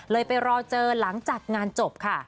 ไปรอเจอหลังจากงานจบค่ะ